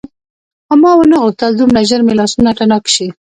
خو ما ونه غوښتل دومره ژر مې لاسونه تڼاکي شي.